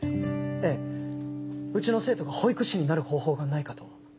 ええうちの生徒が保育士になる方法がないかと。